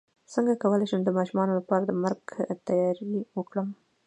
څنګه کولی شم د ماشومانو لپاره د مرګ تیاری وکړم